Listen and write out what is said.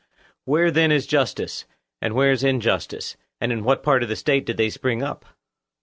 Where, then, is justice, and where is injustice, and in what part of the State did they spring up?